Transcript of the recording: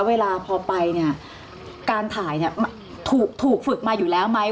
เวลาพอไปการถ่ายถูกฝึกมาอยู่แล้วไหม